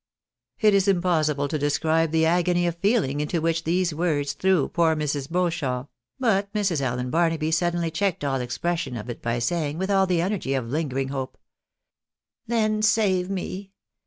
It is impossible to describe the agony of feeling into which these words threw poor Mrs. Beauchamp ; but Mrs. Allen Barnaby sud denly checked all expression of it by saying, with all the energy of lingering hope —" Then save me